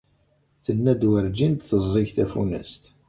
Tenna-d werǧin d-teẓẓig tafunast.